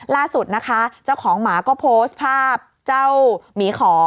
ล่าสุดนะคะเจ้าของหมาก็โพสต์ภาพเจ้าหมีขอ